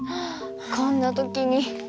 こんな時に。